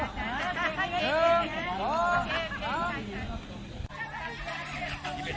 สวัสดี